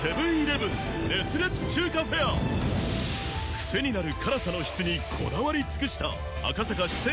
クセになる辛さの質にこだわり尽くした赤坂四川